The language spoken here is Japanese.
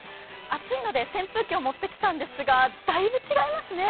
暑いので扇風機を持ってきたんですが、だいぶ違いますね。